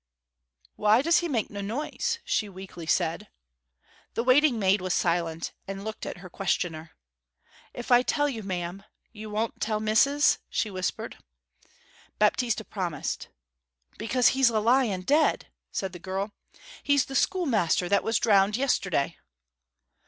'Why does he make no noise?' she weakly said. The waiting maid was silent, and looked at her questioner. 'If I tell you, ma'am, you won't tell missis?' she whispered. Baptista promised. 'Because he's a lying dead!' said the girl. 'He's the schoolmaster that was drowned yesterday.'